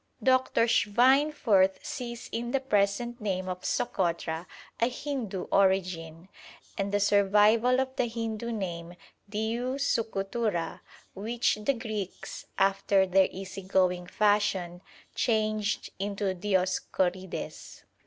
Dr. Schweinfurth sees in the present name of Sokotra a Hindoo origin, and the survival of the Hindoo name Diu Sukutura, which the Greeks, after their easy going fashion, changed into Dioscorides.